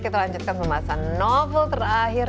kita lanjutkan pembahasan novel terakhir